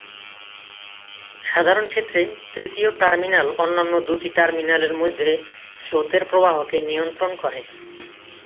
সাধারণ ক্ষেত্রে, তৃতীয় টার্মিনাল অন্যান্য দুটি টার্মিনালের মধ্যে স্রোতের প্রবাহকে নিয়ন্ত্রণ করে।